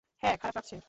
হ্যাঁ খারাপ লাগছে?